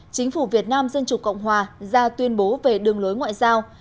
chính phủ việt nam dân chủ cộng hòa ra tuyên bố về đường lối ngoại giao